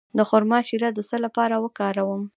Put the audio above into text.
د خرما شیره د څه لپاره وکاروم؟